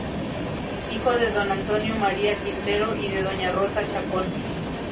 Hijo de Don Antonio María Quintero y de Doña Rosa Chacón.